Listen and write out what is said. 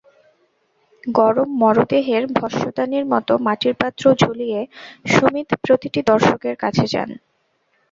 গলায় মরদেহের ভস্মদানির মতো মাটির পাত্র ঝুলিয়ে সুমিত প্রতিটি দর্শকের কাছে যান।